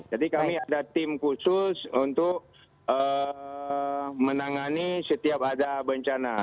jadi kami ada tim khusus untuk menangani setiap ada bencana